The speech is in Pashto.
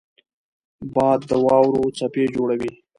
باد د واورو څپې جوړوي